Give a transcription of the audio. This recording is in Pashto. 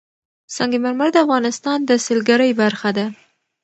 سنگ مرمر د افغانستان د سیلګرۍ برخه ده.